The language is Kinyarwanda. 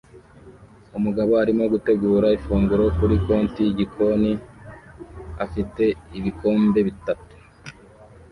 Umugabo arimo gutegura ifunguro kuri konti yigikoni afite ibikombe bitatu